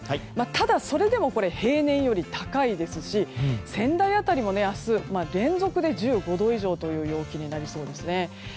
ただ、それでも平年より高いですし仙台あたりも、明日連続で１５度以上という陽気になりそうですね。